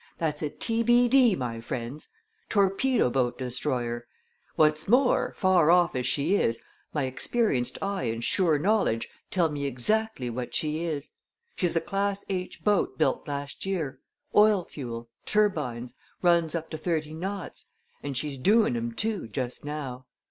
That's a T.B.D., my friends! torpedo boat destroyer. What's more, far off as she is, my experienced eye and sure knowledge tell me exactly what she is. She's a class H. boat built last year oil fuel turbines runs up to thirty knots and she's doing 'em, too, just now!